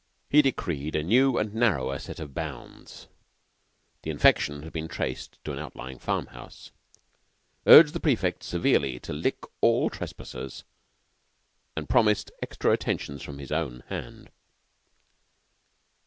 He decreed a new and narrower set of bounds the infection had been traced to an out lying farmhouse urged the prefects severely to lick all trespassers, and promised extra attentions from his own hand.